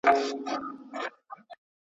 هوږه د هاضمې سیستم پیاوړی کوي.